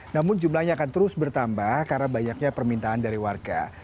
namun jumlahnya akan terus bertambah karena banyaknya permintaan dari warga